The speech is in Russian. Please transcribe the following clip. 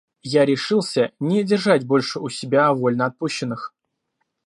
Я решился не держать больше у себя вольноотпущенных.